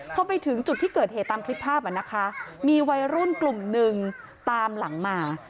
พอไปถึงจุดที่เกิดเหตุตามคลิปภาพนะคะมีวัยรุ่นกลุ่มหนึ่งตามหลังมา